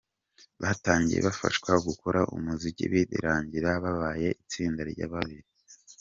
Batangiye bafashwa gukora umuziki birangira babaye itsinda rya babiri.